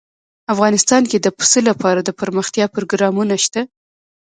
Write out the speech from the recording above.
افغانستان کې د پسه لپاره دپرمختیا پروګرامونه شته.